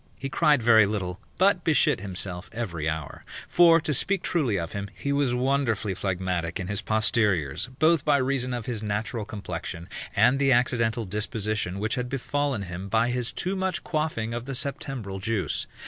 He cried very little, but beshit himself every hour: for, to speak truly of him, he was wonderfully phlegmatic in his posteriors, both by reason of his natural complexion and the accidental disposition which had befallen him by his too much quaffing of the Septembral juice.